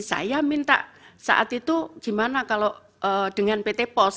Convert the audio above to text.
saya minta saat itu gimana kalau dengan pt pos